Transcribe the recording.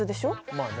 まあね。